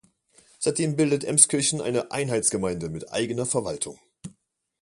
Seitdem bildet Emskirchen eine Einheitsgemeinde mit eigener Verwaltung.